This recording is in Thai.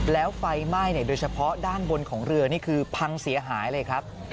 แล้วไฟไหม้โดยเฉพาะด้านบนของเรือนี่คือพังเสียหายเลยครับ